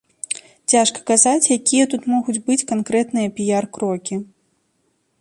Цяжка казаць, якія тут могуць быць канкрэтныя піяр-крокі.